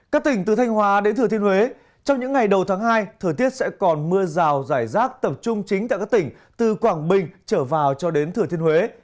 các tỉnh từ thanh hóa đến thừa thiên huế trong những ngày đầu tháng hai thời tiết sẽ còn mưa rào rải rác tập trung chính tại các tỉnh từ quảng bình trở vào cho đến thừa thiên huế